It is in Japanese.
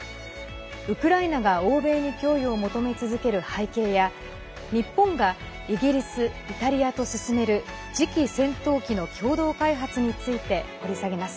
ウクライナが欧米に供与を求め続ける背景や日本がイギリス、イタリアと進める次期戦闘機の共同開発について掘り下げます。